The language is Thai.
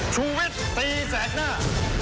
ชุมวิตตีแสกหน้า